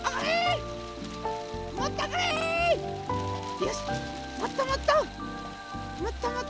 よしもっともっと！